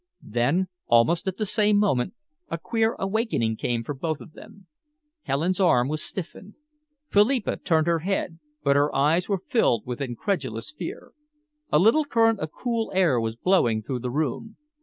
Then, almost at the same moment, a queer awakening came for both of them. Helen's arm was stiffened. Philippa turned her head, but her eyes were filled with incredulous fear. A little current of cool air was blowing through the room.